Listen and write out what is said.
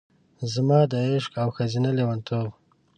زما د عشق او ښځینه لیونتوب،